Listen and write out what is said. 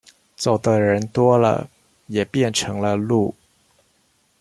走的人多了，也便成了路